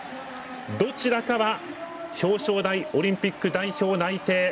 どちらかは表彰台オリンピック代表内定。